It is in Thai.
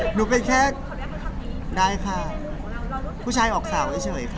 หนูเป็นแค่นี้ได้ค่ะผู้ชายออกข่าวเฉยค่ะ